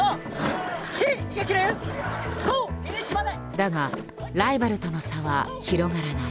だがライバルとの差は広がらない。